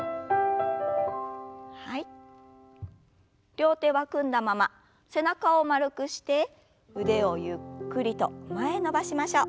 両手は組んだまま背中を丸くして腕をゆっくりと前へ伸ばしましょう。